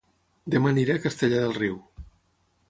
Dema aniré a Castellar del Riu